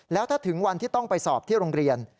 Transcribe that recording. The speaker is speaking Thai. แล้วถ้าถึงวันที่ต้องไปสอบที่โรงเรียน